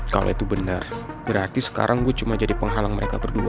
kalau itu benar berarti sekarang gue cuma jadi penghalang mereka berdua